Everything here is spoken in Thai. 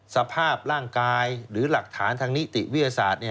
สภาพร่างกายหรือหลักฐานทางนิติวิทยาศาสตร์